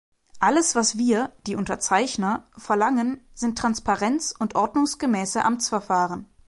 Alles, was wir – die Unterzeichner – verlangen, sind Transparenz und ordnungsgemäße Amtsverfahren.